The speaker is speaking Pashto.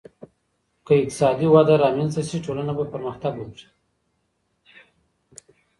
که اقتصادي وده رامنځته سي ټولنه به پرمختګ وکړي.